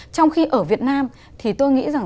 trong khi ở việt nam thì tôi nghĩ rằng